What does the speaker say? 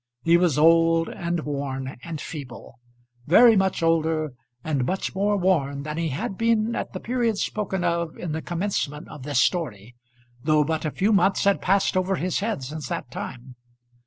He was old and worn and feeble; very much older and much more worn than he had been at the period spoken of in the commencement of this story, though but a few months had passed over his head since that time.